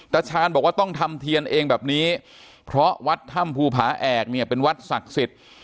ชาญบอกว่าต้องทำเทียนเองแบบนี้เพราะวัดถ้ำภูผาแอกเนี่ยเป็นวัดศักดิ์สิทธิ์